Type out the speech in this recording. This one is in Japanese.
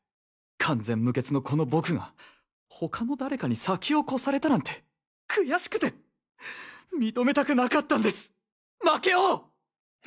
完全無欠のこの僕が他の誰かに先を越されたなんて悔しくて認めたくなかったんです負けを！